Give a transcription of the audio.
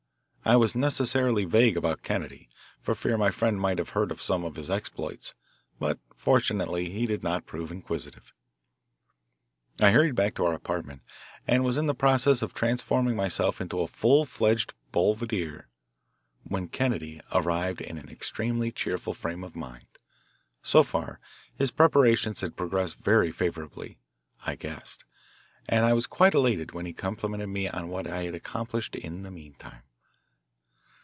I was necessarily vague about Kennedy, for fear my friend might have heard of some of his exploits, but fortunately he did not prove inquisitive. I hurried back to our apartment and was in the process of transforming myself into a full fledged boulevardier, when Kennedy arrived in an extremely cheerful frame of mind. So far, his preparations had progressed very favourably, I guessed, and I was quite elated when he complimented me on what I had accomplished in the meantime.